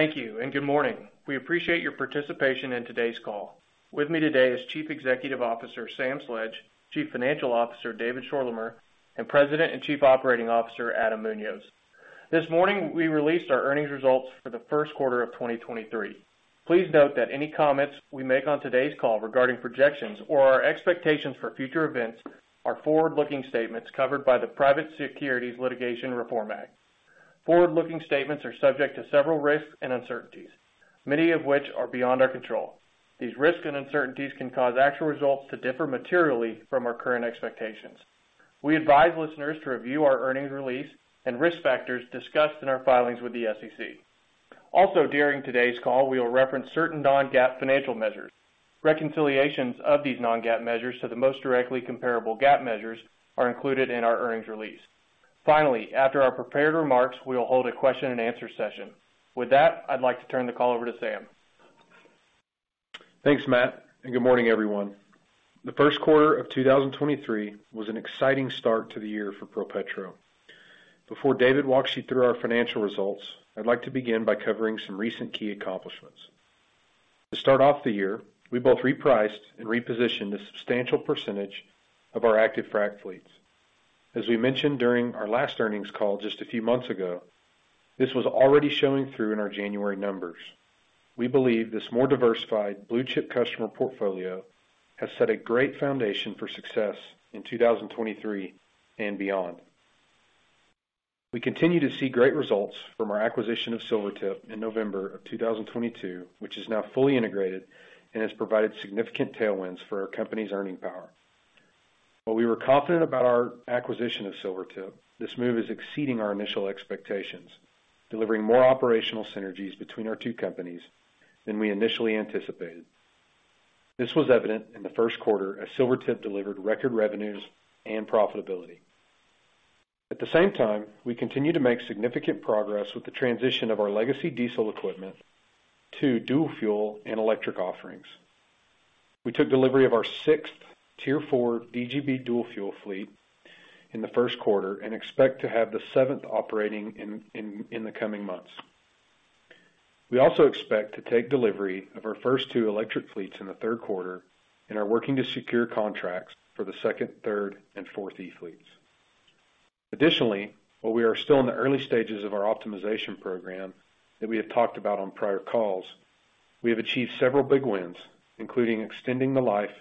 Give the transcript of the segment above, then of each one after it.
Thank you and good morning. We appreciate your participation in today's call. With me today is Chief Executive Officer, Sam Sledge, Chief Financial Officer, David Schorlemer, and President and Chief Operating Officer, Adam Munoz. This morning, we released our earnings results for the first quarter of 2023. Please note that any comments we make on today's call regarding projections or our expectations for future events are forward-looking statements covered by the Private Securities Litigation Reform Act. Forward-looking statements are subject to several risks and uncertainties, many of which are beyond our control. These risks and uncertainties can cause actual results to differ materially from our current expectations. We advise listeners to review our earnings release and risk factors discussed in our filings with the SEC. Also, during today's call, we will reference certain non-GAAP financial measures. Reconciliations of these non-GAAP measures to the most directly comparable GAAP measures are included in our earnings release. Finally, after our prepared remarks, we will hold a question-and-answer session. With that, I'd like to turn the call over to Sam. Thanks, Matt. Good morning, everyone. The first quarter of 2023 was an exciting start to the year for ProPetro. Before David walks you through our financial results, I'd like to begin by covering some recent key accomplishments. To start off the year, we both repriced and repositioned a substantial percentage of our active frac fleets. As we mentioned during our last earnings call just a few months ago, this was already showing through in our January numbers. We believe this more diversified blue-chip customer portfolio has set a great foundation for success in 2023 and beyond. We continue to see great results from our acquisition of Silvertip in November of 2022, which is now fully integrated and has provided significant tailwinds for our company's earning power. While we were confident about our acquisition of Silvertip, this move is exceeding our initial expectations, delivering more operational synergies between our two companies than we initially anticipated. This was evident in the first quarter as Silvertip delivered record revenues and profitability. At the same time, we continue to make significant progress with the transition of our legacy diesel equipment to dual-fuel and electric offerings. We took delivery of our sixth Tier IV DGB dual-fuel fleet in the first quarter and expect to have the seventh operating in the coming months. We also expect to take delivery of our first two electric fleets in the third quarter and are working to secure contracts for the second, third, and fourth e-fleets. Additionally, while we are still in the early stages of our optimization program that we have talked about on prior calls, we have achieved several big wins, including extending the life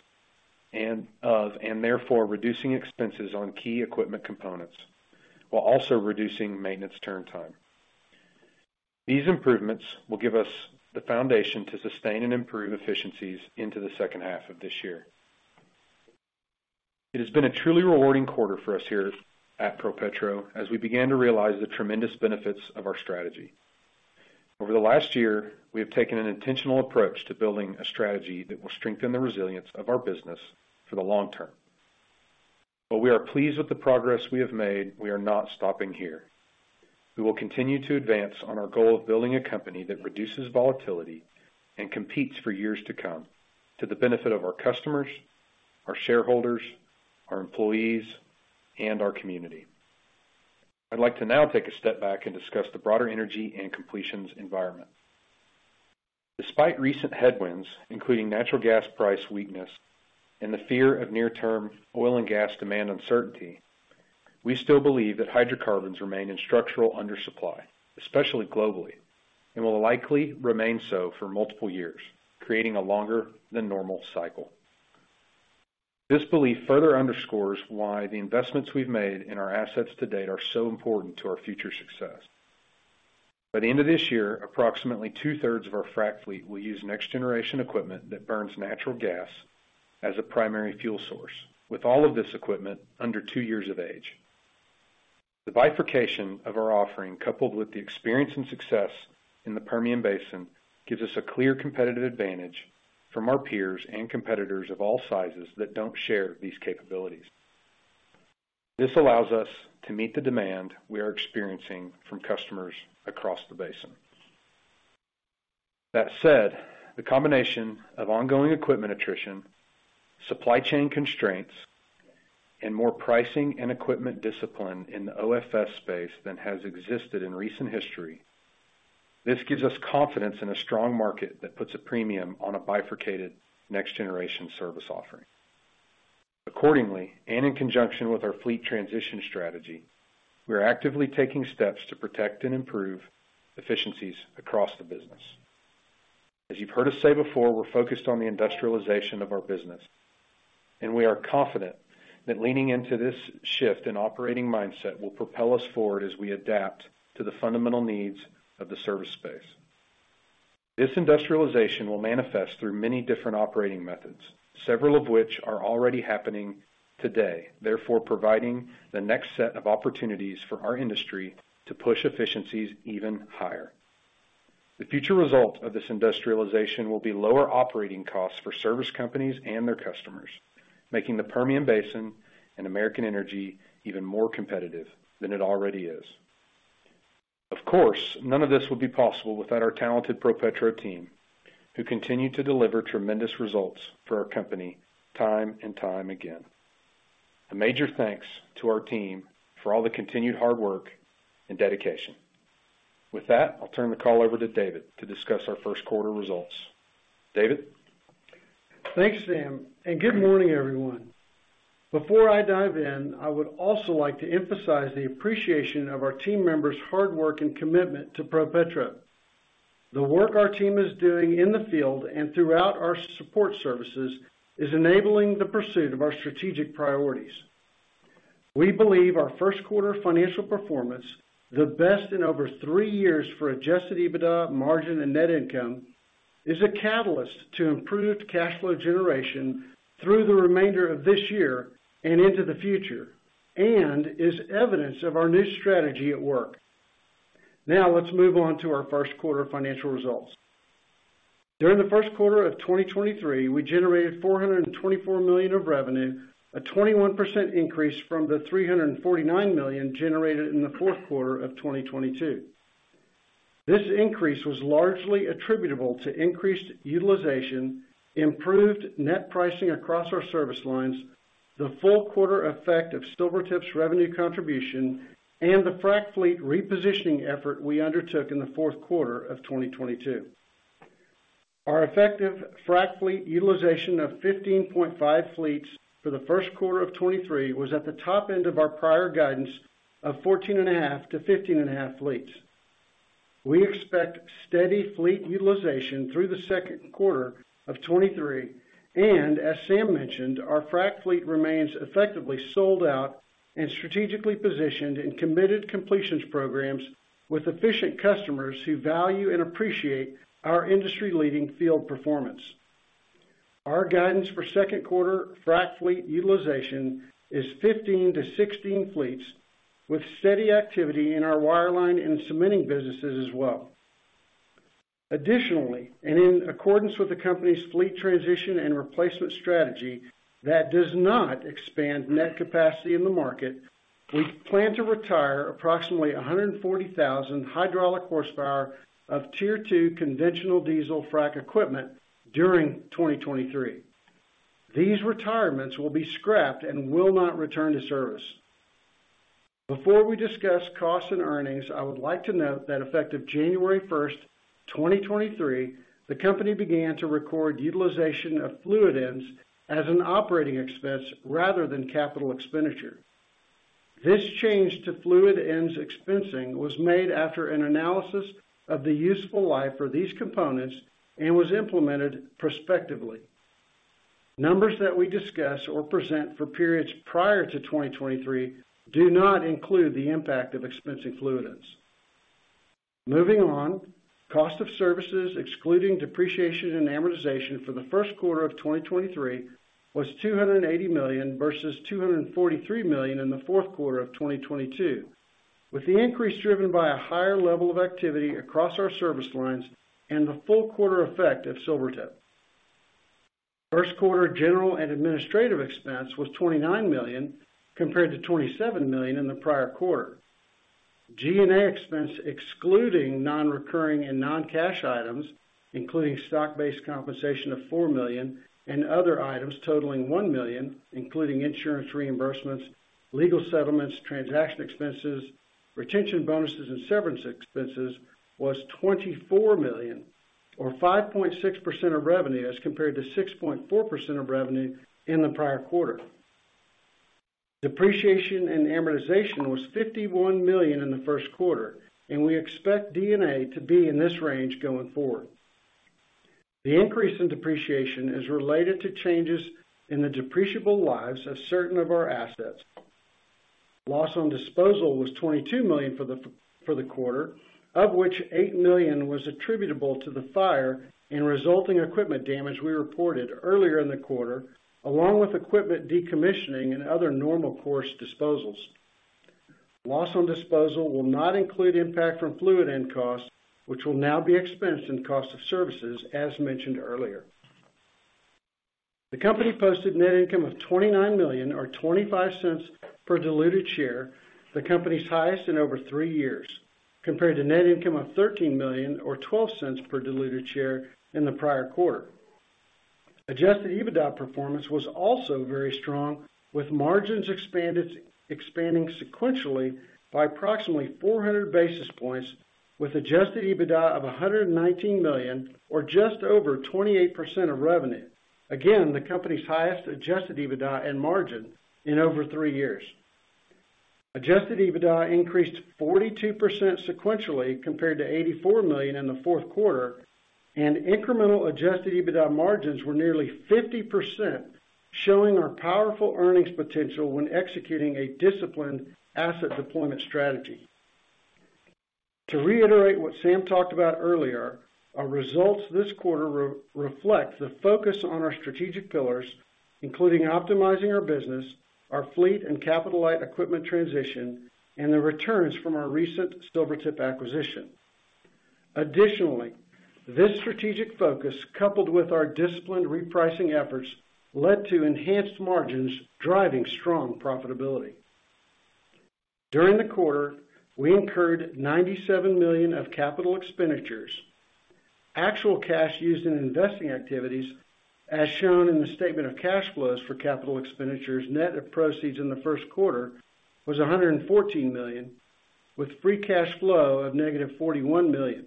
and therefore, reducing expenses on key equipment components while also reducing maintenance turn time. These improvements will give us the foundation to sustain and improve efficiencies into the second half of this year. It has been a truly rewarding quarter for us here at ProPetro as we began to realize the tremendous benefits of our strategy. Over the last year, we have taken an intentional approach to building a strategy that will strengthen the resilience of our business for the long term. We are pleased with the progress we have made, we are not stopping here. We will continue to advance on our goal of building a company that reduces volatility and competes for years to come to the benefit of our customers, our shareholders, our employees, and our community. I'd like to now take a step back and discuss the broader energy and completions environment. Despite recent headwinds, including natural gas price weakness and the fear of near-term oil and gas demand uncertainty, we still believe that hydrocarbons remain in structural undersupply, especially globally, and will likely remain so for multiple years, creating a longer than normal cycle. This belief further underscores why the investments we've made in our assets to date are so important to our future success. By the end of this year, approximately 2/3 of our frac fleet will use next generation equipment that burns natural gas as a primary fuel source, with all of this equipment under two years of age. The bifurcation of our offering, coupled with the experience and success in the Permian Basin, gives us a clear competitive advantage from our peers and competitors of all sizes that don't share these capabilities. This allows us to meet the demand we are experiencing from customers across the basin. That said, the combination of ongoing equipment attrition, supply chain constraints, and more pricing and equipment discipline in the OFS space than has existed in recent history, this gives us confidence in a strong market that puts a premium on a bifurcated next generation service offering. Accordingly, and in conjunction with our fleet transition strategy, we are actively taking steps to protect and improve efficiencies across the business. As you've heard us say before, we're focused on the industrialization of our business, and we are confident that leaning into this shift in operating mindset will propel us forward as we adapt to the fundamental needs of the service space. This industrialization will manifest through many different operating methods, several of which are already happening today, therefore providing the next set of opportunities for our industry to push efficiencies even higher. The future result of this industrialization will be lower operating costs for service companies and their customers, making the Permian Basin an American energy even more competitive than it already is. Of course, none of this would be possible without our talented ProPetro team who continue to deliver tremendous results for our company time and time again. A major thanks to our team for all the continued hard work and dedication. With that, I'll turn the call over to David to discuss our first quarter results. David? Thanks, Sam, good morning, everyone. Before I dive in, I would also like to emphasize the appreciation of our team members' hard work and commitment to ProPetro. The work our team is doing in the field and throughout our support services is enabling the pursuit of our strategic priorities. We believe our first quarter financial performance, the best in over three years for Adjusted EBITDA margin and net income, is a catalyst to improved cash flow generation through the remainder of this year and into the future, and is evidence of our new strategy at work. Now, let's move on to our first quarter financial results. During the first quarter of 2023, we generated $424 million of revenue, a 21% increase from the $349 million generated in the fourth quarter of 2022. This increase was largely attributable to increased utilization, improved net pricing across our service lines, the full quarter effect of Silvertip's revenue contribution, and the frac fleet repositioning effort we undertook in the fourth quarter of 2022. Our effective frac fleet utilization of 15.5 fleets for the first quarter of 2023 was at the top end of our prior guidance of 14.5-15.5 fleets. We expect steady fleet utilization through the second quarter of 2023. As Sam mentioned, our frac fleet remains effectively sold out and strategically positioned in committed completions programs with efficient customers who value and appreciate our industry-leading field performance. Our guidance for second quarter frac fleet utilization is 15-16 fleets with steady activity in our wireline and cementing businesses as well. In accordance with the company's fleet transition and replacement strategy that does not expand net capacity in the market, we plan to retire approximately 140,000 hydraulic horsepower of Tier II conventional diesel frac equipment during 2023. These retirements will be scrapped and will not return to service. Before we discuss costs and earnings, I would like to note that effective January 1st, 2023, the company began to record utilization of fluid ends as an operating expense rather than capital expenditure. This change to fluid ends expensing was made after an analysis of the useful life for these components and was implemented prospectively. Numbers that we discuss or present for periods prior to 2023 do not include the impact of expensing fluid ends. Moving on, cost of services excluding depreciation and amortization for the first quarter of 2023 was $280 million versus $243 million in the fourth quarter of 2022, with the increase driven by a higher level of activity across our service lines and the full quarter effect of Silvertip. First quarter general and administrative expense was $29 million, compared to $27 million in the prior quarter. G&A expense excluding non-recurring and non-cash items, including stock-based compensation of $4 million and other items totaling $1 million, including insurance reimbursements, legal settlements, transaction expenses, retention bonuses, and severance expenses, was $24 million or 5.6% of revenue as compared to 6.4% of revenue in the prior quarter. Depreciation and amortization was $51 million in the first quarter, and we expect D&A to be in this range going forward. The increase in depreciation is related to changes in the depreciable lives of certain of our assets. Loss on disposal was $22 million for the quarter, of which $8 million was attributable to the fire and resulting equipment damage we reported earlier in the quarter, along with equipment decommissioning and other normal course disposals. Loss on disposal will not include impact from fluid end costs, which will now be expensed in cost of services as mentioned earlier. The company posted net income of $29 million or $0.25 per diluted share, the company's highest in over three years, compared to net income of $13 million or $0.12 per diluted share in the prior quarter. Adjusted EBITDA performance was also very strong, with margins expanding sequentially by approximately 400 basis points with Adjusted EBITDA of $119 million or just over 28% of revenue. Again, the company's highest Adjusted EBITDA and margin in over three years. Adjusted EBITDA increased 42% sequentially compared to $84 million in the fourth quarter, and incremental Adjusted EBITDA margins were nearly 50%, showing our powerful earnings potential when executing a disciplined asset deployment strategy. To reiterate what Sam talked about earlier, our results this quarter re-reflect the focus on our strategic pillars, including optimizing our business, our fleet and capital-light equipment transition, and the returns from our recent Silvertip acquisition. Additionally, this strategic focus, coupled with our disciplined repricing efforts, led to enhanced margins driving strong profitability. During the quarter, we incurred $97 million of capital expenditures. Actual cash used in investing activities, as shown in the statement of cash flows for capital expenditures, net of proceeds in the first quarter was $114 million, with Free Cash Flow of negative $41 million.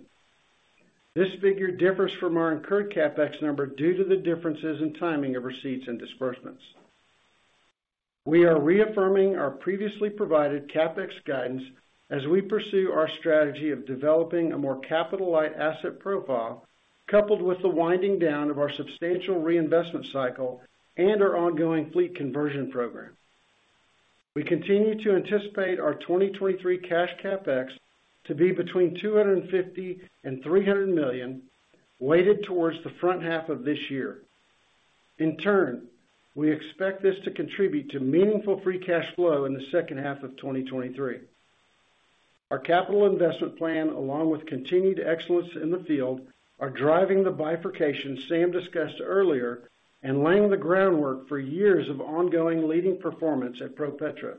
This figure differs from our incurred CapEx number due to the differences in timing of receipts and disbursements. We are reaffirming our previously provided CapEx guidance as we pursue our strategy of developing a more capital-light asset profile, coupled with the winding down of our substantial reinvestment cycle and our ongoing fleet conversion program. We continue to anticipate our 2023 cash CapEx to be between $250 million-$300 million, weighted towards the front half of this year. In turn, we expect this to contribute to meaningful Free Cash Flow in the second half of 2023. Our capital investment plan, along with continued excellence in the field, are driving the bifurcation Sam discussed earlier and laying the groundwork for years of ongoing leading performance at ProPetro.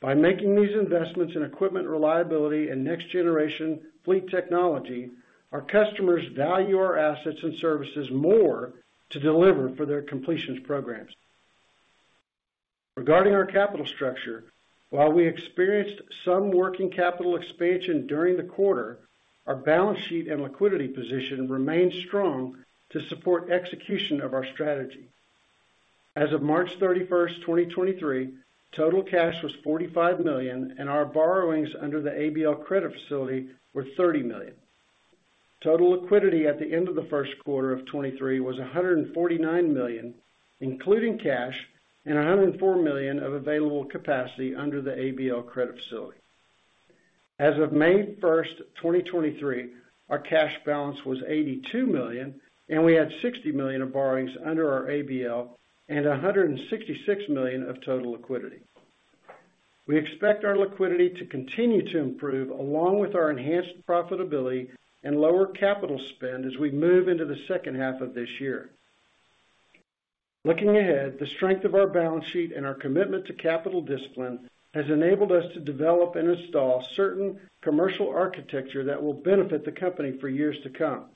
By making these investments in equipment reliability and next generation fleet technology, our customers value our assets and services more to deliver for their completions programs. Regarding our capital structure, while we experienced some working capital expansion during the quarter, our balance sheet and liquidity position remained strong to support execution of our strategy. As of March 31st, 2023, total cash was $45 million and our borrowings under the ABL credit facility were $30 million. Total liquidity at the end of the first quarter of 2023 was $149 million, including cash, and $104 million of available capacity under the ABL credit facility. As of May 1st, 2023, our cash balance was $82 million. We had $60 million of borrowings under our ABL and $166 million of total liquidity. We expect our liquidity to continue to improve along with our enhanced profitability and lower capital spend as we move into the second half of this year. Looking ahead, the strength of our balance sheet and our commitment to capital discipline has enabled us to develop and install certain commercial architecture that will benefit the company for years to come.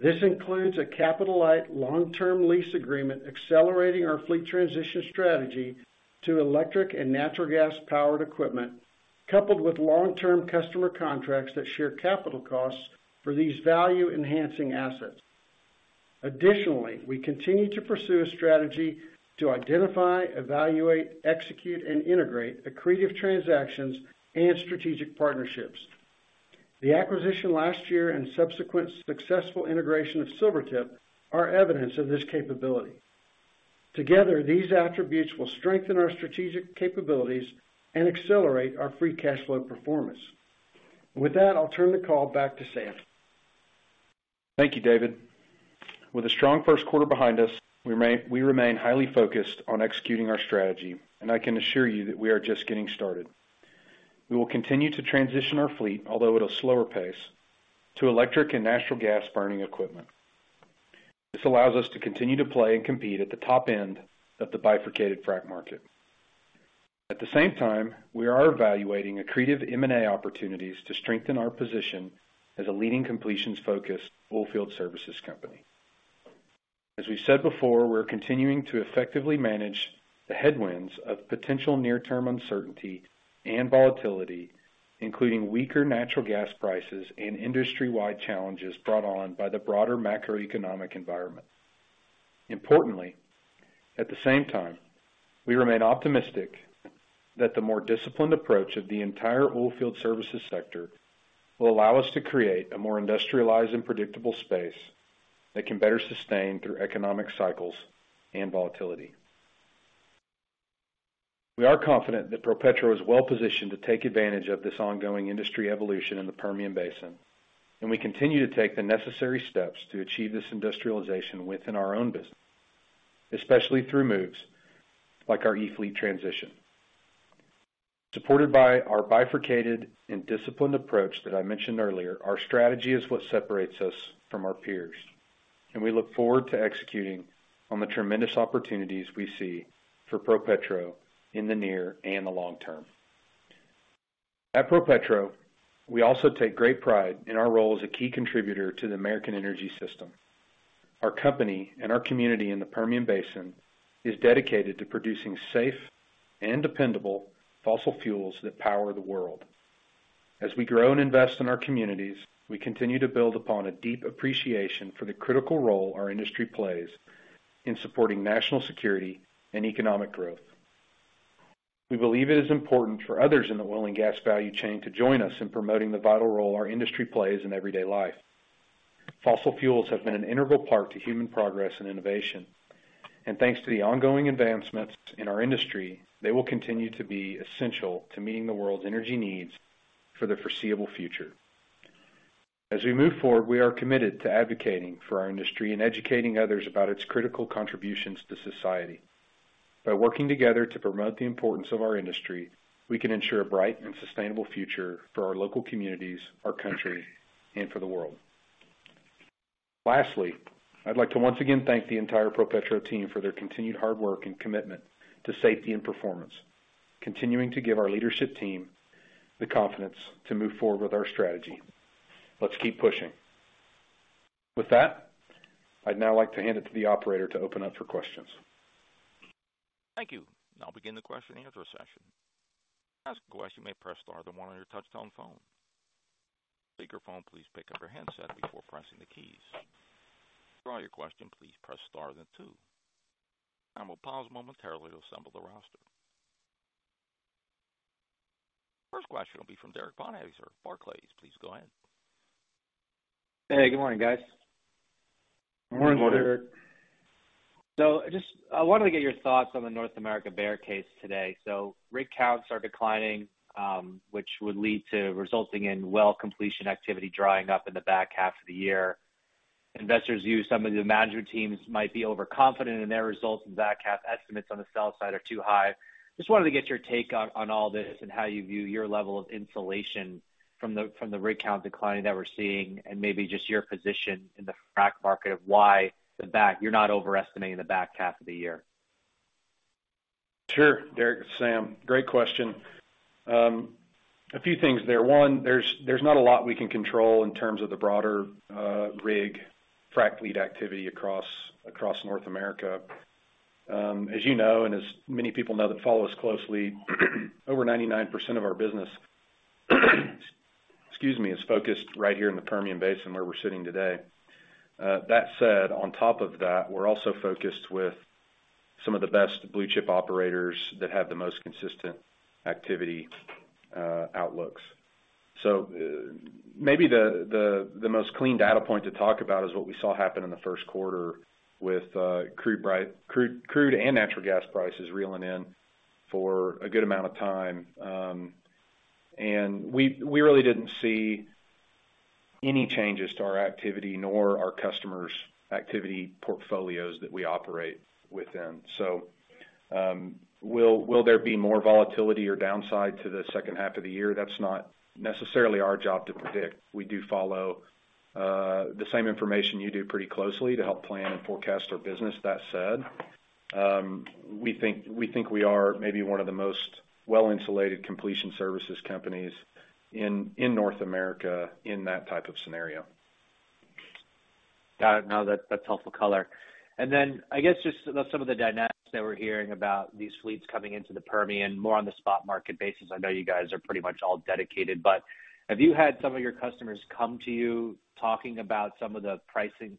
This includes a capital-light long-term lease agreement accelerating our fleet transition strategy to electric and natural gas-powered equipment, coupled with long-term customer contracts that share capital costs for these value-enhancing assets. Additionally, we continue to pursue a strategy to identify, evaluate, execute, and integrate accretive transactions and strategic partnerships. The acquisition last year and subsequent successful integration of Silvertip are evidence of this capability. Together, these attributes will strengthen our strategic capabilities and accelerate our Free Cash Flow performance. With that, I'll turn the call back to Sam. Thank you, David. With a strong first quarter behind us, we remain highly focused on executing our strategy. I can assure you that we are just getting started. We will continue to transition our fleet, although at a slower pace, to electric and natural gas burning equipment. This allows us to continue to play and compete at the top end of the bifurcated frac market. At the same time, we are evaluating accretive M&A opportunities to strengthen our position as a leading completions-focused oilfield services company. As we've said before, we're continuing to effectively manage the headwinds of potential near-term uncertainty and volatility, including weaker natural gas prices and industry-wide challenges brought on by the broader macroeconomic environment. Importantly, at the same time, we remain optimistic that the more disciplined approach of the entire oilfield services sector will allow us to create a more industrialized and predictable space that can better sustain through economic cycles and volatility. We are confident that ProPetro is well-positioned to take advantage of this ongoing industry evolution in the Permian Basin, and we continue to take the necessary steps to achieve this industrialization within our own business, especially through moves like our e-fleet transition. Supported by our bifurcated and disciplined approach that I mentioned earlier, our strategy is what separates us from our peers, and we look forward to executing on the tremendous opportunities we see for ProPetro in the near and the long term. At ProPetro, we also take great pride in our role as a key contributor to the American energy system. Our company and our community in the Permian Basin is dedicated to producing safe and dependable fossil fuels that power the world. As we grow and invest in our communities, we continue to build upon a deep appreciation for the critical role our industry plays in supporting national security and economic growth. We believe it is important for others in the oil and gas value chain to join us in promoting the vital role our industry plays in everyday life. Fossil fuels have been an integral part to human progress and innovation, and thanks to the ongoing advancements in our industry, they will continue to be essential to meeting the world's energy needs for the foreseeable future. As we move forward, we are committed to advocating for our industry and educating others about its critical contributions to society. By working together to promote the importance of our industry, we can ensure a bright and sustainable future for our local communities, our country, and for the world. Lastly, I'd like to once again thank the entire ProPetro team for their continued hard work and commitment to safety and performance, continuing to give our leadership team the confidence to move forward with our strategy. Let's keep pushing. I'd now like to hand it to the operator to open up for questions. Thank you. I'll begin the question and answer session. To ask a question, you may press star then one on your touchtone phone. Speakerphone, please pick up your handset before pressing the keys. To withdraw your question, please press star then two. I will pause momentarily to assemble the roster. First question will be from Eddie Kim, Barclays. Please go ahead. Hey, good morning, guys. Good morning, Derrick. Good morning. I wanted to get your thoughts on the North America bear case today? Rig counts are declining, which would lead to resulting in well completion activity drying up in the back half of the year. Investors view some of the management teams might be overconfident in their results, and back half estimates on the sell side are too high. Just wanted to get your take on all this and how you view your level of insulation from the rig count decline that we're seeing, and maybe just your position in the frac market of why you're not overestimating the back half of the year? Sure. Derrick, it's Sam. Great question. A few things there. One, there's not a lot we can control in terms of the broader rig frac fleet activity across North America. As you know, and as many people know that follow us closely, over 99% of our business, excuse me, is focused right here in the Permian Basin, where we're sitting today. That said, on top of that, we're also focused with some of the best blue chip operators that have the most consistent activity outlooks. Maybe the most clean data point to talk about is what we saw happen in the first quarter with crude and natural gas prices reeling in for a good amount of time. We really didn't see any changes to our activity nor our customers' activity portfolios that we operate within. Will there be more volatility or downside to the second half of the year? That's not necessarily our job to predict. We do follow the same information you do pretty closely to help plan and forecast our business. That said, we think we are maybe one of the most well-insulated completion services companies in North America in that type of scenario. Got it. No, that's helpful color. I guess just some of the dynamics that we're hearing about these fleets coming into the Permian more on the spot market basis. I know you guys are pretty much all dedicated, but have you had some of your customers come to you talking about some of the pricing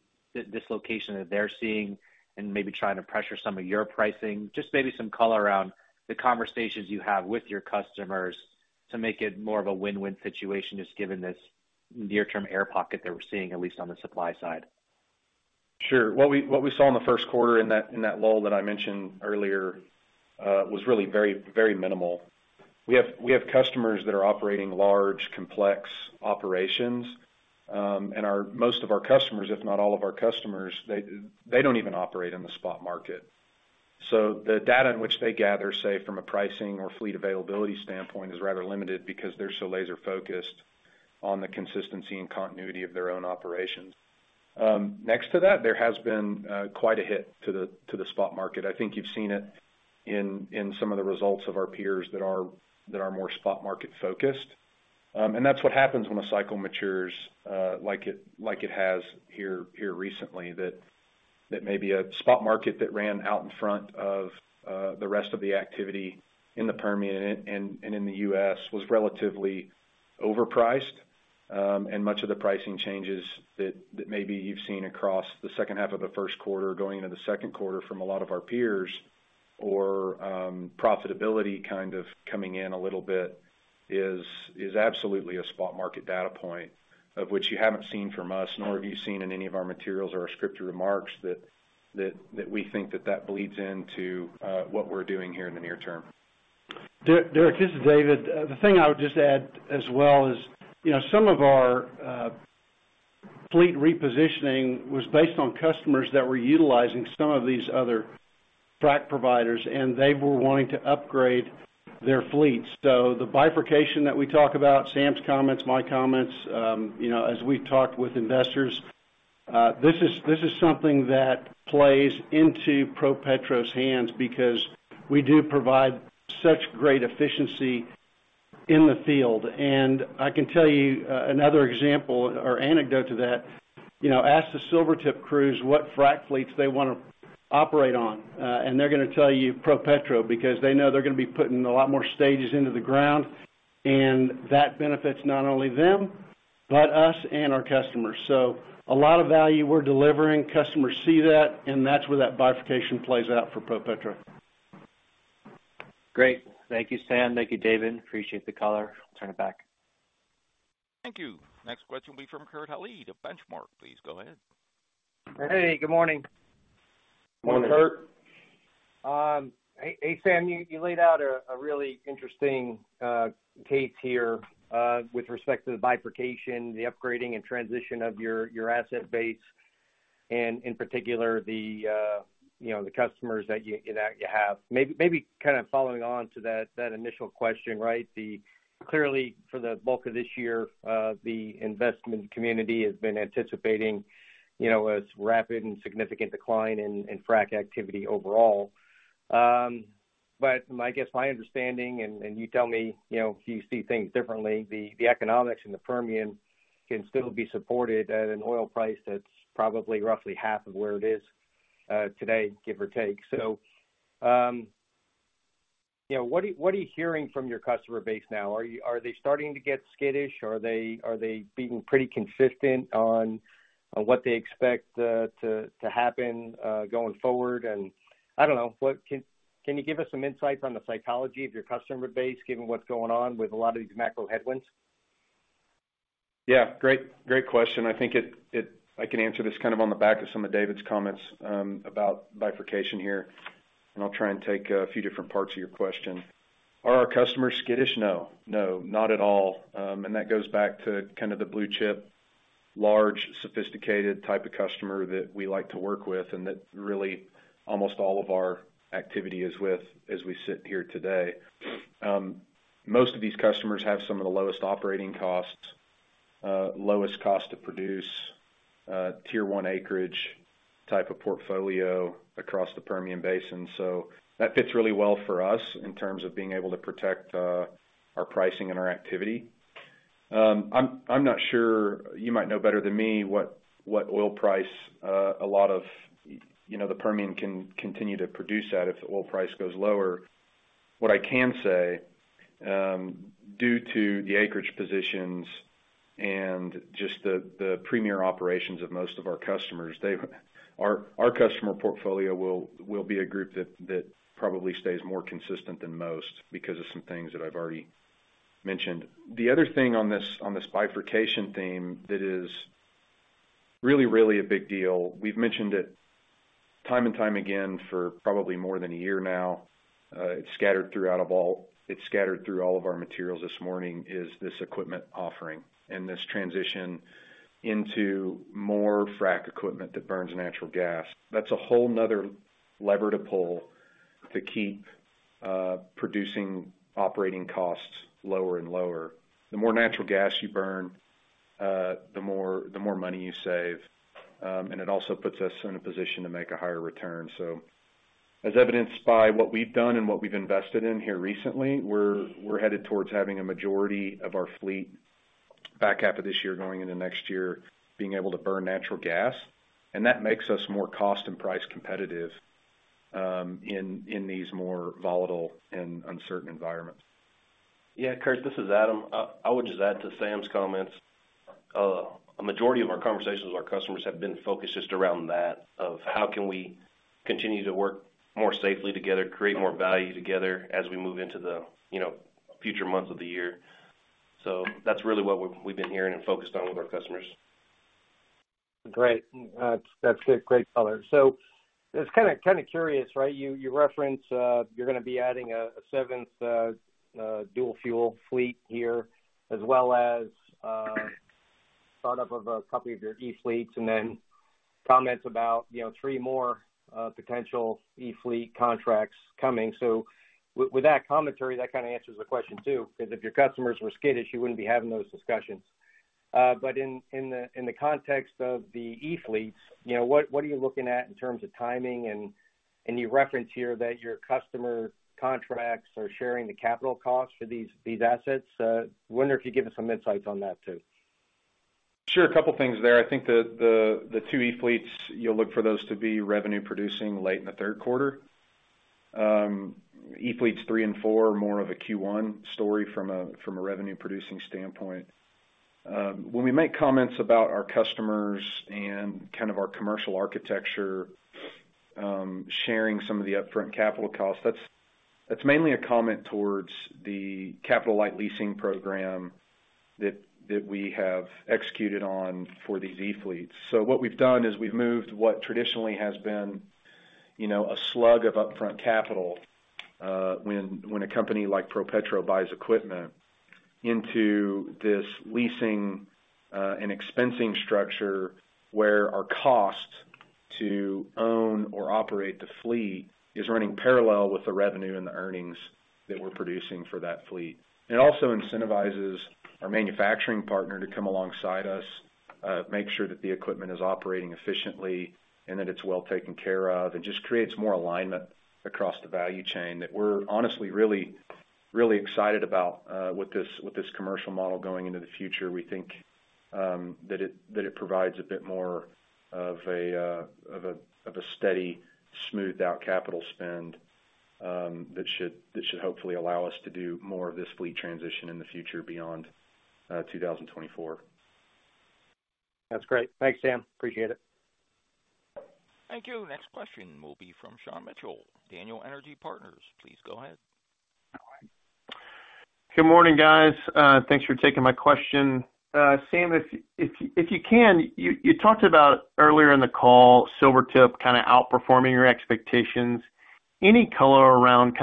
dislocation that they're seeing and maybe trying to pressure some of your pricing? Just maybe some color around the conversations you have with your customers to make it more of a win-win situation, just given this near-term air pocket that we're seeing, at least on the supply side. Sure. What we saw in the first quarter in that lull that I mentioned earlier, was really very, very minimal. We have customers that are operating large, complex operations, and most of our customers, if not all of our customers, they don't even operate in the spot market. The data in which they gather, say from a pricing or fleet availability standpoint, is rather limited because they're so laser focused on the consistency and continuity of their own operations. Next to that, there has been quite a hit to the spot market. I think you've seen it in some of the results of our peers that are more spot market focused. That's what happens when a cycle matures, like it, like it has here recently, that maybe a spot market that ran out in front of the rest of the activity in the Permian and in the U.S. was relatively overpriced. Much of the pricing changes that maybe you've seen across the second half of the first quarter going into the second quarter from a lot of our peers or profitability kind of coming in a little bit is absolutely a spot market data point of which you haven't seen from us, nor have you seen in any of our materials or our scripted remarks that, that we think that that bleeds into what we're doing here in the near term. Derrick, this is David. The thing I would just add as well is, you know, some of our fleet repositioning was based on customers that were utilizing some of these other frac providers, and they were wanting to upgrade their fleets. The bifurcation that we talk about, Sam's comments, my comments, you know, as we've talked with investors, this is something that plays into ProPetro's hands because we do provide such great efficiency in the field. And I can tell you, another example or anecdote to that, you know, ask the Silvertip crews what frac fleets they wanna operate on, and they're gonna tell you ProPetro because they know they're gonna be putting a lot more stages into the ground, and that benefits not only them, but us and our customers. A lot of value we're delivering. Customers see that, and that's where that bifurcation plays out for ProPetro. Great. Thank you, Sam. Thank you, David. Appreciate the color. I'll turn it back. Thank you. Next question will be from Kurt Hallead of Benchmark. Please go ahead. Hey, good morning. Morning, Kurt. Morning. Hey, Sam, you laid out a really interesting case here with respect to the bifurcation, the upgrading and transition of your asset base. In particular, you know, the customers that you that you have. Maybe kind of following on to that initial question, right? Clearly for the bulk of this year, the investment community has been anticipating, you know, a rapid and significant decline in frac activity overall. I guess my understanding, and you tell me, you know, if you see things differently, the economics in the Permian can still be supported at an oil price that's probably roughly half of where it is today, give or take. You know, what are, what are you hearing from your customer base now? Are they starting to get skittish? Are they being pretty consistent on what they expect to happen going forward? I don't know, can you give us some insights on the psychology of your customer base, given what's going on with a lot of these macro headwinds? Great question. I think I can answer this kind of on the back of some of David Schorlemer's comments about bifurcation here. I'll try and take a few different parts of your question. Are our customers skittish? No, not at all. That goes back to kind of the blue chip, large, sophisticated type of customer that we like to work with and that really almost all of our activity is with as we sit here today. Most of these customers have some of the lowest operating costs, lowest cost to produce, tier one acreage type of portfolio across the Permian Basin. That fits really well for us in terms of being able to protect our pricing and our activity. I'm not sure, you might know better than me, what oil price, a lot of, you know, the Permian can continue to produce at if the oil price goes lower. What I can say, due to the acreage positions and just the premier operations of most of our customers, our customer portfolio will be a group that probably stays more consistent than most because of some things that I've already mentioned. The other thing on this, on this bifurcation theme that is really a big deal, we've mentioned it time and time again for probably more than one year now, It's scattered through all of our materials this morning, is this equipment offering and this transition into more frack equipment that burns natural gas. That's a whole another lever to pull to keep producing operating costs lower and lower. The more natural gas you burn, the more money you save. It also puts us in a position to make a higher return. As evidenced by what we've done and what we've invested in here recently, we're headed towards having a majority of our fleet back half of this year, going into next year, being able to burn natural gas. That makes us more cost and price competitive, in these more volatile and uncertain environments. Kurt, this is Adam. I would just add to Sam's comments. A majority of our conversations with our customers have been focused just around that, of how can we continue to work more safely together, create more value together as we move into the, you know, future months of the year. That's really what we've been hearing and focused on with our customers. Great. That's good. Great color. It's kinda curious, right? You, you reference, you're gonna be adding a seventh dual-fuel fleet here, as well as thought of a couple of your e-fleets and then comments about, you know, three more potential e-fleet contracts coming. With that commentary, that kind of answers the question too, because if your customers were skittish, you wouldn't be having those discussions. In the context of the e-fleets, you know, what are you looking at in terms of timing? And, and you reference here that your customer contracts are sharing the capital costs for these assets. Wonder if you give us some insights on that too. Sure. A couple things there. I think the two e-fleets, you'll look for those to be revenue producing late in the third quarter. e-fleets three and four are more of a Q1 story from a revenue producing standpoint. When we make comments about our customers and kind of our commercial architecture, sharing some of the upfront capital costs, that's mainly a comment towards the capital light leasing program that we have executed on for these e-fleets. What we've done is we've moved what traditionally has been, you know, a slug of upfront capital, when a company like ProPetro buys equipment into this leasing and expensing structure where our cost to own or operate the fleet is running parallel with the revenue and the earnings that we're producing for that fleet. It also incentivizes our manufacturing partner to come alongside us, make sure that the equipment is operating efficiently and that it's well taken care of. It just creates more alignment across the value chain that we're honestly really, really excited about with this commercial model going into the future. We think that it provides a bit more of a steady smoothed out capital spend that should hopefully allow us to do more of this fleet transition in the future beyond 2024. That's great. Thanks, Sam. Appreciate it. Thank you. Next question will be from Sean Mitchell, Daniel Energy Partners. Please go ahead. Good morning, guys. thanks for taking my question. Sam, if you can, you talked about earlier in the call Silvertip kind of outperforming your expectations. Any color around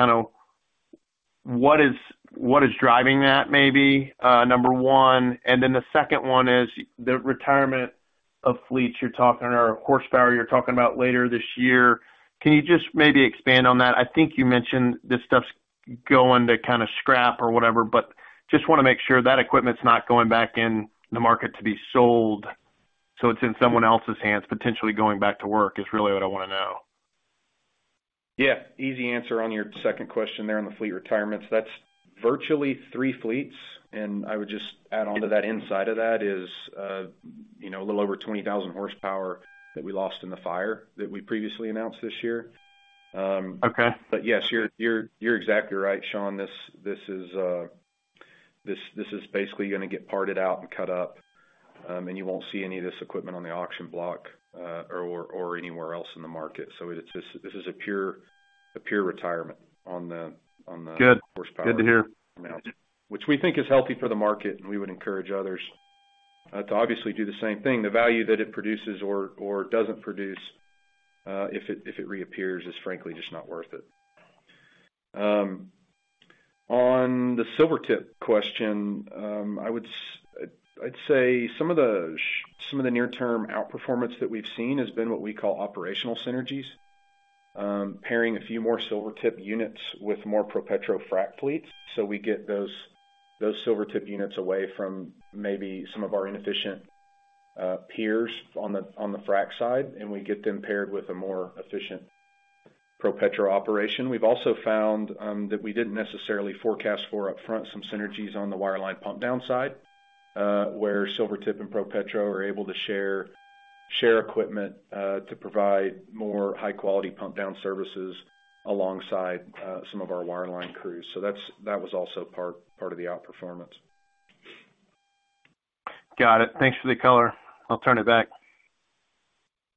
What is driving that maybe, number one? The second one is the retirement of fleets or horsepower you're talking about later this year. Can you just maybe expand on that? I think you mentioned this stuff's going to kind of scrap or whatever, but just wanna make sure that equipment's not going back in the market to be sold, so it's in someone else's hands, potentially going back to work, is really what I wanna know? Yeah. Easy answer on your second question there on the fleet retirements. That's virtually three fleets. I would just add on to that, inside of that is, you know, a little over 20,000 horsepower that we lost in the fire that we previously announced this year. Okay. Yes, you're exactly right, Sean. This is, this is basically gonna get parted out and cut up, and you won't see any of this equipment on the auction block or anywhere else in the market. This is a pure retirement on the. Good. Horsepower. Good to hear. Which we think is healthy for the market, and we would encourage others to obviously do the same thing. The value that it produces or doesn't produce, if it, if it reappears, is frankly just not worth it. On the Silvertip question, I'd say some of the near term outperformance that we've seen has been what we call operational synergies. Pairing a few more Silvertip units with more ProPetro frack fleets. We get those Silvertip units away from maybe some of our inefficient peers on the frack side, and we get them paired with a more efficient ProPetro operation. We've also found that we didn't necessarily forecast for upfront some synergies on the wireline pumpdown side, where Silvertip and ProPetro are able to share equipment to provide more high-quality pumpdown services alongside some of our wireline crews. That was also part of the outperformance. Got it. Thanks for the color. I'll turn it back.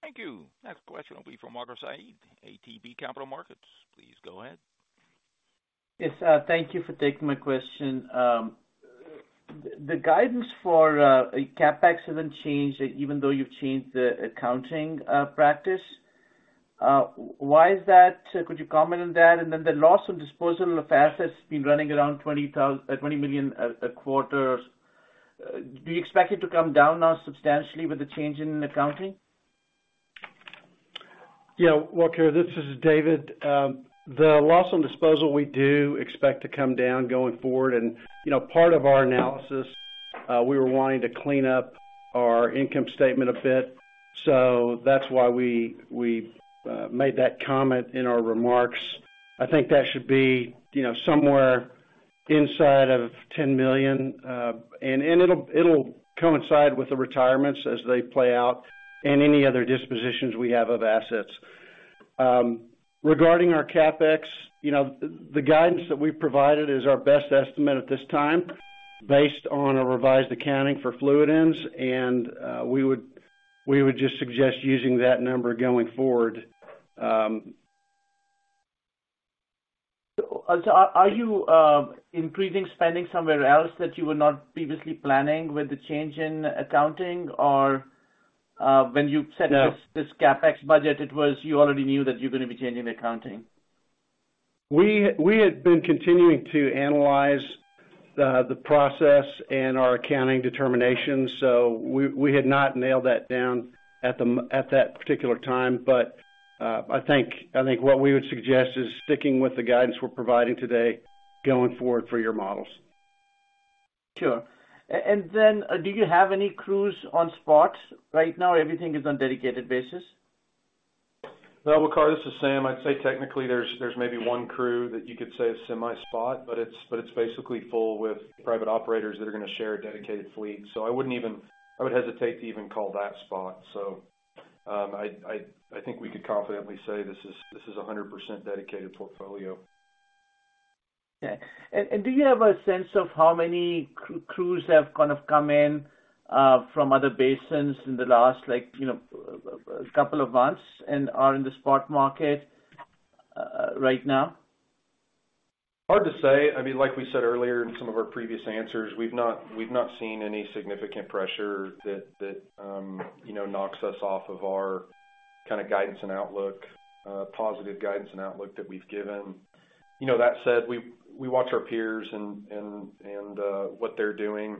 Thank you. Next question will be from Waqar Syed, ATB Capital Markets. Please go ahead. Thank you for taking my question. The guidance for CapEx hasn't changed even though you've changed the accounting practice. Why is that? Could you comment on that? The loss of disposal of assets has been running around $20 million a quarter. Do you expect it to come down now substantially with the change in accounting? Yeah. Waqar, this is David. The loss on disposal, we do expect to come down going forward. You know, part of our analysis, we were wanting to clean up our income statement a bit, so that's why we made that comment in our remarks. I think that should be, you know, somewhere inside of $10 million. It'll coincide with the retirements as they play out and any other dispositions we have of assets. Regarding our CapEx, you know, the guidance that we've provided is our best estimate at this time based on a revised accounting for fluid ends, and we would just suggest using that number going forward. Are you increasing spending somewhere else that you were not previously planning with the change in accounting? No. This CapEx budget, it was you already knew that you're gonna be changing accounting? We had been continuing to analyze the process and our accounting determinations, so we had not nailed that down at that particular time. I think what we would suggest is sticking with the guidance we're providing today going forward for your models. Sure. Do you have any crews on spots? Right now, everything is on dedicated basis. Well, Waqar, this is Sam. I'd say technically there's maybe 1 crew that you could say is semi-spot, but it's basically full with private operators that are gonna share a dedicated fleet. I would hesitate to even call that spot. I think we could confidently say this is a 100% dedicated portfolio. Okay. Do you have a sense of how many crews have kind of come in from other basins in the last, like, you know, couple of months and are in the spot market right now? Hard to say. I mean, like we said earlier in some of our previous answers, we've not seen any significant pressure that, you know, knocks us off of our kind of guidance and outlook, positive guidance and outlook that we've given. You know, that said, we watch our peers and what they're doing.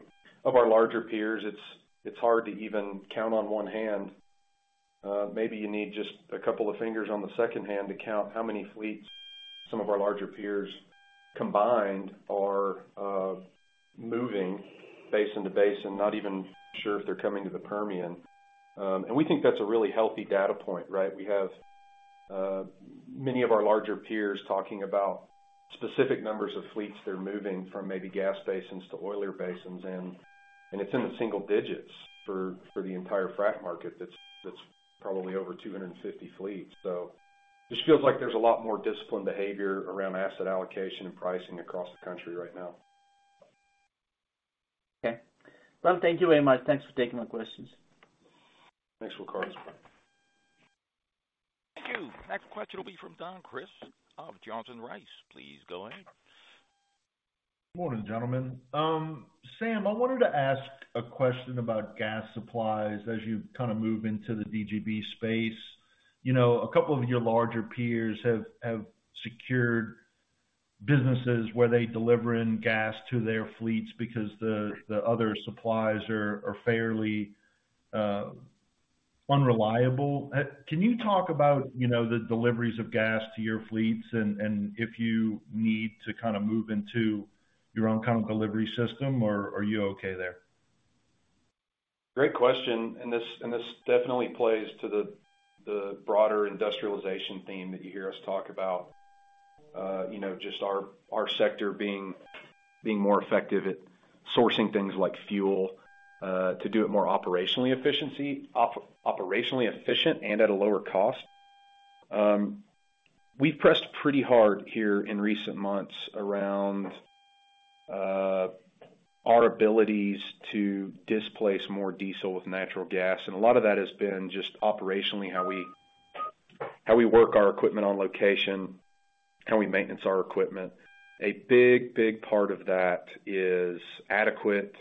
Of our larger peers, it's hard to even count on one hand. Maybe you need just a couple of fingers on the second hand to count how many fleets some of our larger peers combined are moving basin to basin, not even sure if they're coming to the Permian. We think that's a really healthy data point, right? We have many of our larger peers talking about specific numbers of fleets they're moving from maybe gas basins to oilier basins, and it's in the single digits for the entire frac market that's probably over 250 fleets. Just feels like there's a lot more disciplined behavior around asset allocation and pricing across the country right now. Okay. Well, thank you very much. Thanks for taking my questions. Thanks, Waqar. Thank you. Next question will be from Don Crist of Johnson Rice. Please go ahead. Morning, gentlemen. Sam, I wanted to ask a question about gas supplies as you kind of move into the DGB space. You know, a couple of your larger peers have secured businesses where they deliver in gas to their fleets because the other suppliers are fairly unreliable. Can you talk about, you know, the deliveries of gas to your fleets and if you need to kind of move into your own kind of delivery system, or are you okay there? Great question. This definitely plays to the broader industrialization theme that you hear us talk about. You know, just our sector being more effective at sourcing things like fuel, to do it more operationally efficient and at a lower cost. We've pressed pretty hard here in recent months around our abilities to displace more diesel with natural gas, and a lot of that has been just operationally how we, how we work our equipment on location, how we maintenance our equipment. A big part of that is adequate,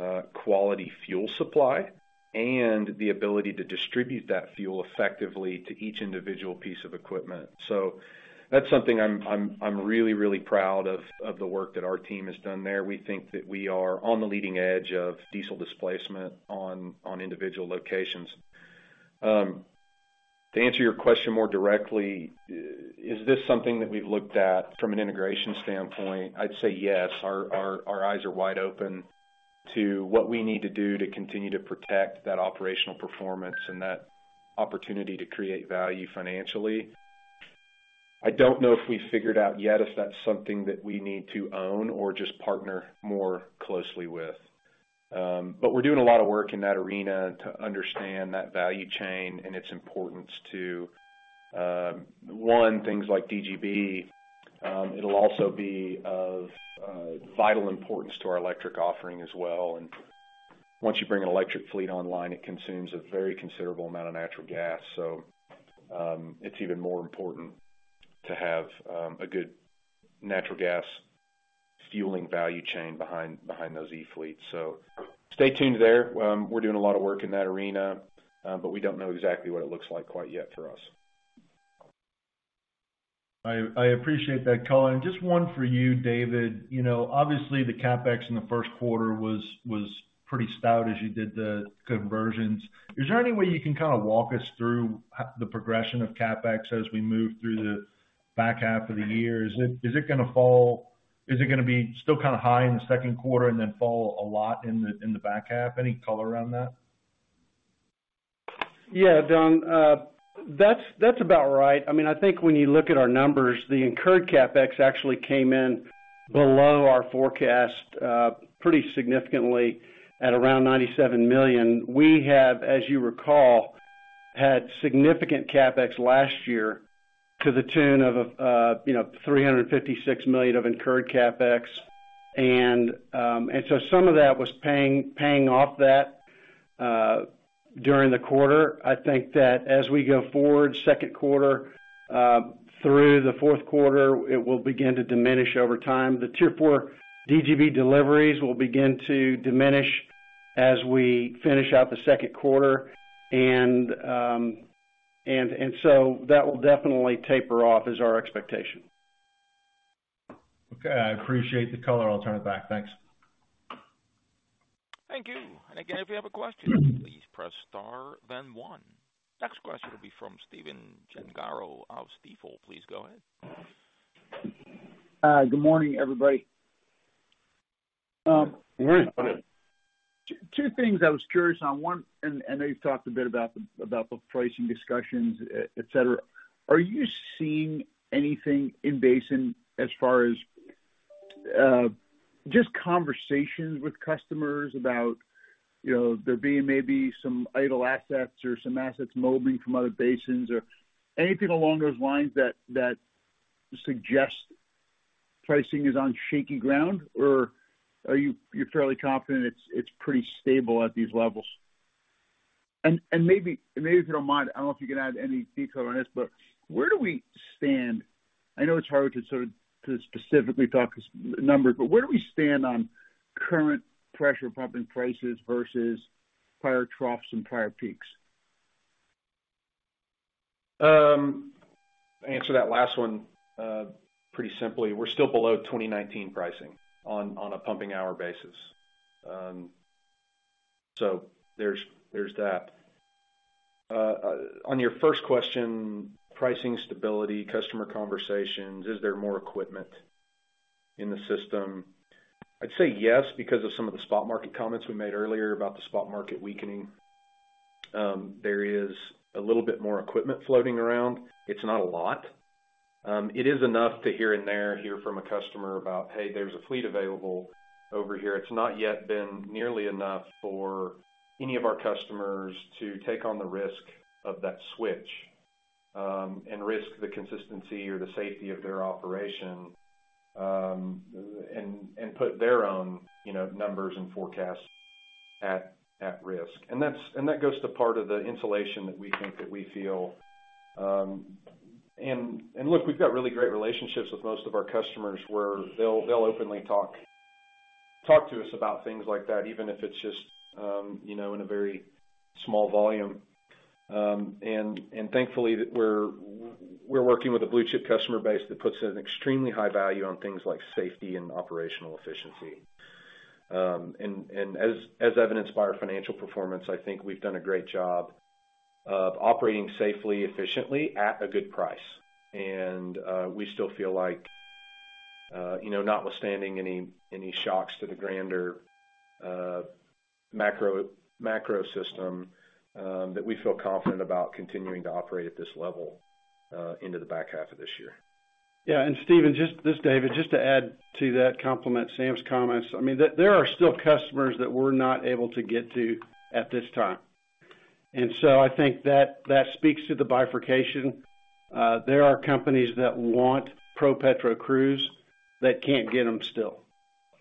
timely, quality fuel supply and the ability to distribute that fuel effectively to each individual piece of equipment. That's something I'm really proud of the work that our team has done there. We think that we are on the leading edge of diesel displacement on individual locations. To answer your question more directly, is this something that we've looked at from an integration standpoint? I'd say yes. Our eyes are wide open to what we need to do to continue to protect that operational performance and that opportunity to create value financially. I don't know if we've figured out yet if that's something that we need to own or just partner more closely with. We're doing a lot of work in that arena to understand that value chain and its importance to, one, things like DGB. It'll also be of vital importance to our electric offering as well. Once you bring an electric fleet online, it consumes a very considerable amount of natural gas. It's even more important to have a good natural gas fueling value chain behind those e-fleets. Stay tuned there. We're doing a lot of work in that arena, but we don't know exactly what it looks like quite yet for us. I appreciate that color. Just one for you, David. You know, obviously the CapEx in the first quarter was pretty stout as you did the conversions. Is there any way you can kind of walk us through the progression of CapEx as we move through the back half of the year? Is it gonna fall? Is it gonna be still kind of high in the second quarter and then fall a lot in the back half? Any color around that? Yeah, Don. That's about right. I mean, I think when you look at our numbers, the incurred CapEx actually came in below our forecast, pretty significantly at around $97 million. We have, as you recall, had significant CapEx last year to the tune of, you know, $356 million of incurred CapEx. Some of that was paying off that during the quarter. I think that as we go forward second quarter through the fourth quarter, it will begin to diminish over time. The Tier IV DGB deliveries will begin to diminish as we finish out the second quarter. That will definitely taper off is our expectation. Okay. I appreciate the color. I'll turn it back. Thanks. Thank you. Again, if you have a question, please press star then one. Next question will be from Stephen Gengaro of Stifel. Please go ahead. Good morning, everybody. Two things I was curious on. 1, I know you've talked a bit about the pricing discussions, et cetera. Are you seeing anything in basin as far as just conversations with customers about, you know, there being maybe some idle assets or some assets moving from other basins, or anything along those lines that suggest pricing is on shaky ground? Or you're fairly confident it's pretty stable at these levels? Maybe if you don't mind, I don't know if you can add any detail on this, but where do we stand? I know it's hard to sort of to specifically talk numbers, but where do we stand on current pressure pumping prices versus prior troughs and prior peaks? Answer that last one pretty simply. We're still below 2019 pricing on a pumping hour basis. There's that. On your first question, pricing stability, customer conversations, is there more equipment in the system? I'd say yes because of some of the spot market comments we made earlier about the spot market weakening. There is a little bit more equipment floating around. It's not a lot. It is enough to here and there hear from a customer about, "Hey, there's a fleet available over here." It's not yet been nearly enough for any of our customers to take on the risk of that switch and risk the consistency or the safety of their operation and put their own, you know, numbers and forecasts at risk. That goes to part of the insulation that we think that we feel. Look, we've got really great relationships with most of our customers where they'll openly talk to us about things like that, even if it's just, you know, in a very small volume. Thankfully that we're working with a blue-chip customer base that puts an extremely high value on things like safety and operational efficiency. As evidenced by our financial performance, I think we've done a great job of operating safely, efficiently, at a good price. We still feel like, you know, notwithstanding any shocks to the grander macro system, that we feel confident about continuing to operate at this level into the back half of this year. Stephen, this is David. Just to add to that, complement Sam's comments. I mean, there are still customers that we're not able to get to at this time. I think that speaks to the bifurcation. There are companies that want ProPetro crews that can't get them still.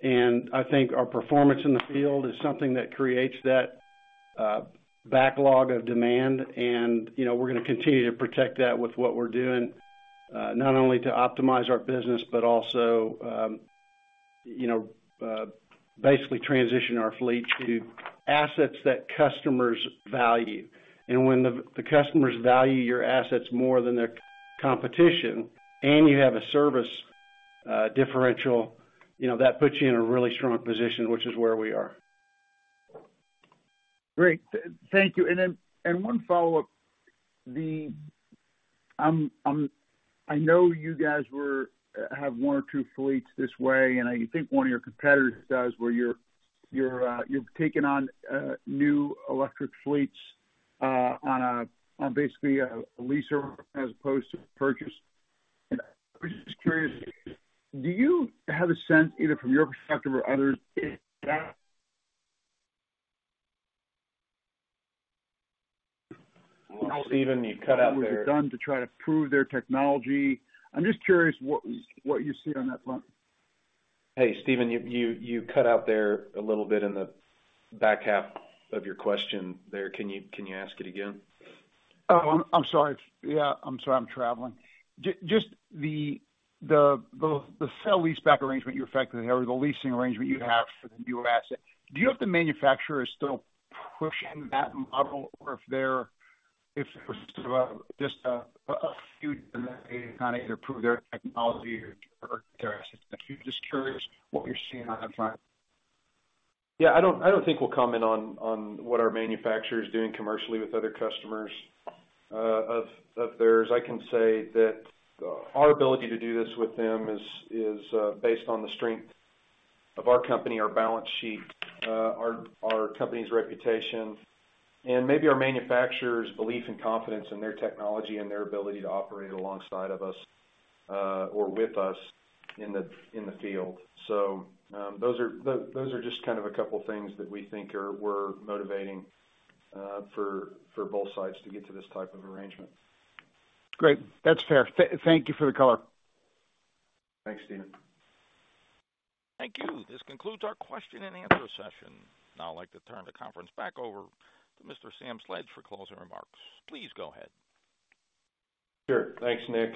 I think our performance in the field is something that creates that backlog of demand. You know, we're gonna continue to protect that with what we're doing, not only to optimize our business, but also, you know, basically transition our fleet to assets that customers value. When the customers value your assets more than their competition and you have a service differential, you know, that puts you in a really strong position, which is where we are. Great. Thank you. One follow-up. I know you guys have one or two fleets this way, and I think one of your competitors does, where you're, you've taken on new electric fleets, on basically a leaser as opposed to purchase. I was just curious, do you have a sense, either from your perspective or others, if that-? Stephen, you cut out there. Was it done to try to prove their technology? I'm just curious what you see on that front. Hey, Stephen, you cut out there a little bit in the back half of your question there. Can you ask it again? Oh, I'm sorry. Yeah, I'm sorry, I'm traveling. Just the sell lease back arrangement you affected there, or the leasing arrangement you have for the newer asset, do you know if the manufacturer is still pushing that model or if they're if it was just a few to kinda either prove their technology or their assets? I'm just curious what you're seeing on that front. Yeah, I don't, I don't think we'll comment on what our manufacturer is doing commercially with other customers of theirs. I can say that our ability to do this with them is based on the strength of our company, our balance sheet, our company's reputation, and maybe our manufacturer's belief and confidence in their technology and their ability to operate alongside of us or with us in the field. Those are just kind of a couple things that we think were motivating for both sides to get to this type of arrangement. Great. That's fair. Thank you for the color. Thanks, Stephen. Thank you. This concludes our question and answer session. I'd like to turn the conference back over to Mr. Sam Sledge for closing remarks. Please go ahead. Sure. Thanks, Nick,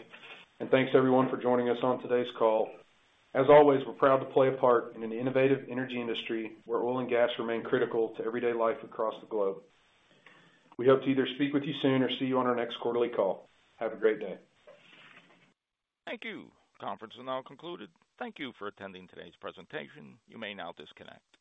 and thanks, everyone, for joining us on today's call. As always, we're proud to play a part in an innovative energy industry where oil and gas remain critical to everyday life across the globe. We hope to either speak with you soon or see you on our next quarterly call. Have a great day. Thank you. Conference is now concluded. Thank you for attending today's presentation. You may now disconnect.